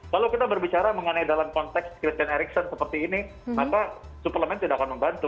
kalau kita berbicara mengenai dalam konteks cristian ericson seperti ini maka suplemen tidak akan membantu